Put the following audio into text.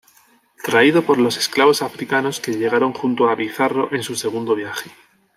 Traído por los esclavos africanos que llegaron junto a Pizarro en su segundo viaje.